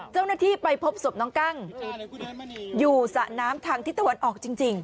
เจ้าหน้าที่ไปพบศพน้องกั้งอยู่สระน้ำทางทิศตะวันออกจริง